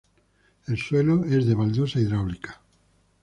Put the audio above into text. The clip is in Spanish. El suelo es de baldosa hidráulica.